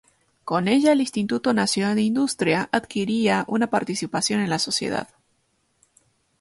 Con ella el Instituto Nacional de Industria adquiría una participación en la sociedad.